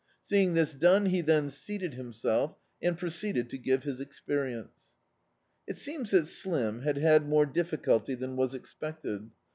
Seeing this done he then seated himself and proceeded to give his experience. It seems that Slim had had more difficulty than was expected.